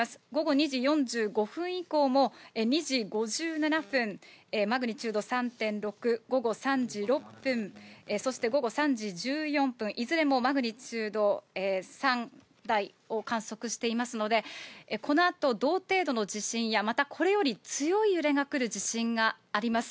午後２時４５分以降も、２時５７分、マグニチュード３．６、午後３時６分、そして午後３時１４分、いずれもマグニチュード３台を観測していますので、このあと、同程度の地震や、またこれより強い揺れが来る地震があります。